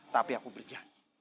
tapi aku berjanji